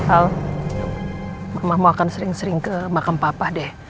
al mama akan sering sering ke makam papa deh